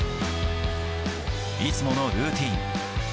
いつものルーティン。